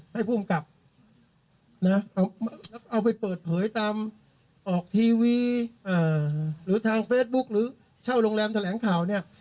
ผู้กำกับนะแล้วเอาไปเปิดเผยตามออกทีวีหรือทางเฟซบุ๊คหรือเช่าโรงแรมแถลงข่าวเนี่ย